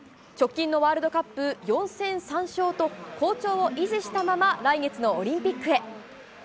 直近のワールドカップ４戦３勝と好調を維持したまま来月のオリンピックへ。